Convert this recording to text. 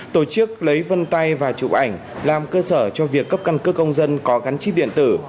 tổ chức lấy vân tay và chụp ảnh làm cơ sở cho việc cấp căn cước công dân có gắn chip điện tử